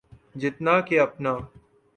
جتنا کہ اپنا۔